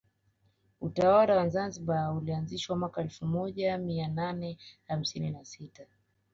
Utawala wa Zanzibar ulianzishwa mwaka wa elfu moja mia nane hamsini na sita